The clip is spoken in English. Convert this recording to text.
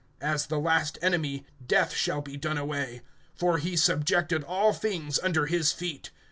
(26)As the last enemy, Death shall be done away. For he subjected all things under his feet.